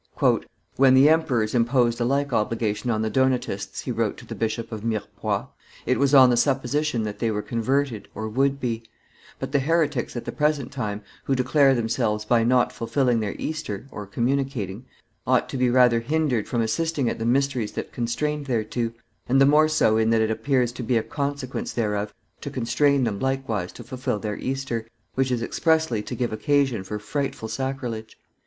"When the emperors imposed a like obligation on the Donatists," he wrote to the Bishop of Mirepoix, "it was on the supposition that they were converted, or would be; but the heretics at the present time, who declare themselves by not fulfilling their Easter (communicating), ought to be rather hindered from assisting at the mysteries than constrained thereto, and the more so in that it appears to be a consequence thereof to constrain them likewise to fulfil their Easter, which is expressly to give occasion for frightful sacrilege.